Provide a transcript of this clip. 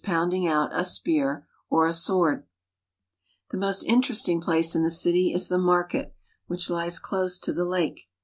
pounding out a spear or a sword. The most interesting place in the city is the market, which lies close to the lake.